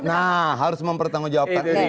nah harus mempertanggung jawab